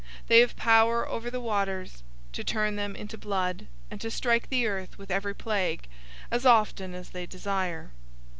They have power over the waters, to turn them into blood, and to strike the earth with every plague, as often as they desire.